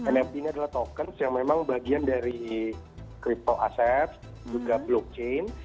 nft ini adalah tokens yang memang bagian dari crypto asses juga blockchain